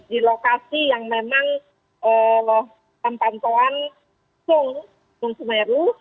di lokasi yang memang pembantuan sung gunung semeru